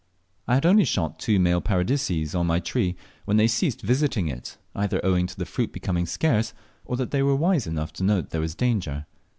I had only shot two male Paradiseas on my tree when they ceased visiting it, either owing to the fruit becoming scarce, or that they were wise enough to know there was danger.